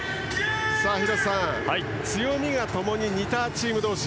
廣瀬さん、強みがともに似たチーム同士。